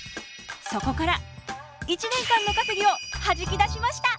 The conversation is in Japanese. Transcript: そこから１年間の稼ぎをはじき出しました。